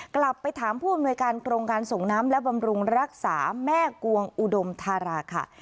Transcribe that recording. กลับไปถามผู้อำนวยการโครงการส่งน้ำและบำรุงรักษาแม่กวงอุดมธาราค่ะ